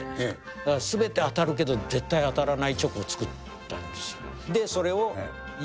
だからすべて当たるけど、絶対当たらないチョコを作ったんですよ。